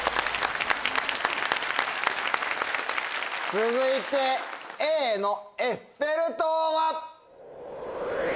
続いてＡの「エッフェル塔」は？